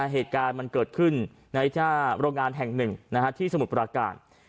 เหตุการณ์มันเกิดขึ้นในหน้าโรงงานแห่งหนึ่งที่สมุทรปราการ